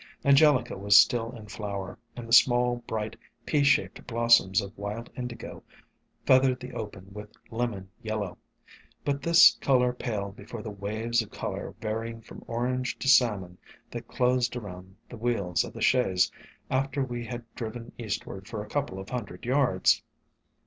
Angelica was still in flower, and the small, bright, pea shaped blos soms of Wild Indigo feathered the open with lemon yellow. But this color paled before the waves of color varying from orange to salmon that closed around the wheels of the chaise after we had driven eastward for a couple of hundred yards.